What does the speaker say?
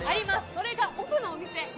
それが奥のお店。